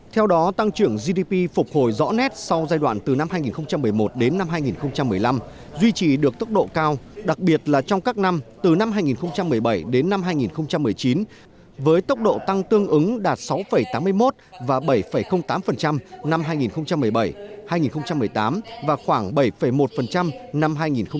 theo đó tăng trưởng gdp phục hồi rõ nét sau giai đoạn từ năm hai nghìn một mươi một đến năm hai nghìn một mươi năm duy trì được tốc độ cao đặc biệt là trong các năm từ năm hai nghìn một mươi bảy đến năm hai nghìn một mươi chín với tốc độ tăng tương ứng đạt sáu tám mươi một và bảy tám năm hai nghìn một mươi bảy hai nghìn một mươi tám và khoảng bảy một năm hai nghìn một mươi chín